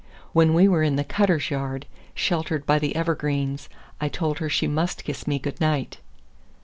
When we were in the Cutter's yard, sheltered by the evergreens, I told her she must kiss me good night.